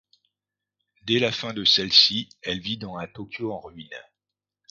Dès la fin de celle-ci, elle vit dans un Tokyo en ruines.